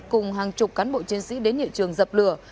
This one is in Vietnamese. cùng hàng chục cán bộ chiến sĩ đến hiện trường dập lửa